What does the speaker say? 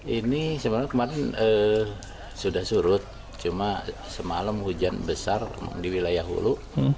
ini sebenarnya kemarin sudah surut cuma semalam hujan besar di wilayah hulu